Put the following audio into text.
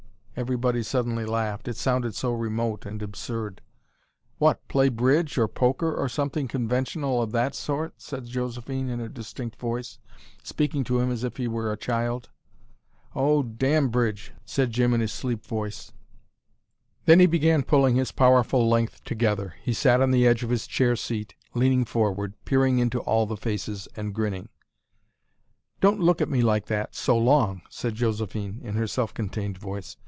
Everybody suddenly laughed it sounded so remote and absurd. "What, play bridge or poker or something conventional of that sort?" said Josephine in her distinct voice, speaking to him as if he were a child. "Oh, damn bridge," said Jim in his sleep voice. Then he began pulling his powerful length together. He sat on the edge of his chair seat, leaning forward, peering into all the faces and grinning. "Don't look at me like that so long " said Josephine, in her self contained voice.